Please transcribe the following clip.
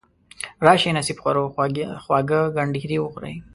راشئ نصیب خورو خواږه کنډیري وخورئ.